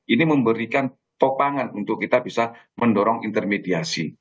ini memberikan topangan untuk kita bisa mendorong intermediasi